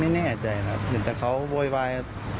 ไม่แน่ใจนะครับเดี๋ยวแต่เขาโบริปราย